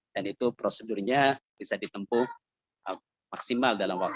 dan itu prosedurnya bisa ditempuh maksimal dalam waktu